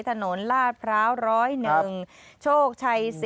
ถนนลาดพร้าว๑๐๑โชคชัย๔